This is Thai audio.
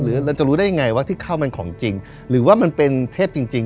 เราจะรู้ได้ยังไงว่าที่เข้ามันของจริงหรือว่ามันเป็นเทพจริง